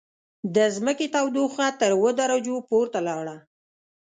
د ځمکې تودوخه تر اووه درجو پورته لاړه.